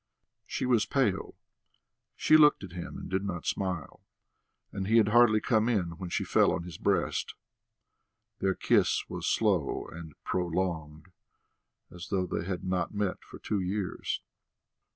She was pale; she looked at him, and did not smile, and he had hardly come in when she fell on his breast. Their kiss was slow and prolonged, as though they had not met for two years.